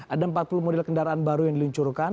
ada empat puluh model kendaraan baru yang diluncurkan